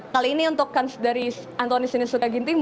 kali ini untuk dari anthony shinesuka ginting